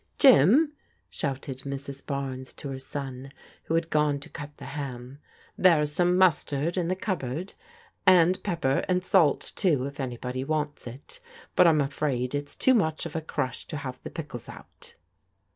Jim," shouted Mrs. Barnes to her son, who had gone to cut the ham, " there is some mustard in the cupboard, and pepper and salt, too, if anybody wants it ; but I'm afraid it's too much of a crush to have the pickles out."